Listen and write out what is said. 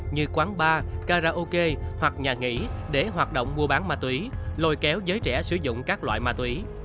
như quán bar karaoke hoặc nhà nghệ thuật